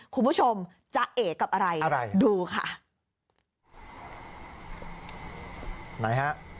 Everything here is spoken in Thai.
คุณผู้ชมจะเอกับอะไรครันดูค่ะ